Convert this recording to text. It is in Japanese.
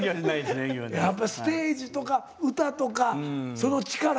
やっぱステージとか歌とかその力。